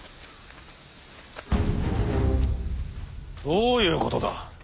どういうことだ。